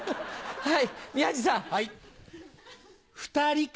はい。